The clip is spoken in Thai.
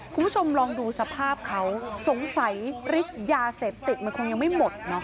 คุณผู้ชมลองดูสภาพเขาสงสัยฤทธิ์ยาเสพติดมันคงยังไม่หมดเนอะ